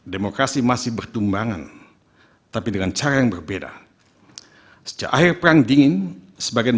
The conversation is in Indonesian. demokrasi masih bertumbangan tapi dengan cara yang berbeda sejak akhir perang dingin sebagian